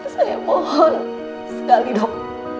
saya mohon sekali dok